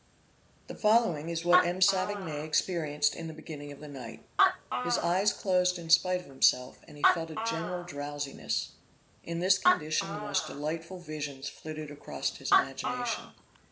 The following is what M. Savigny experienced in the beginning of the night. His eyes closed in spite of himself, and he felt a general drowsiness. In this condition the most delightful visions flitted across his imagination.